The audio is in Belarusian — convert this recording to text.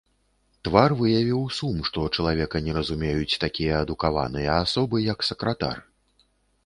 Твар выявіў сум, што чалавека не разумеюць такія адукаваныя асобы, як сакратар.